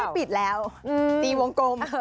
ปิดแล้วตีวงกลม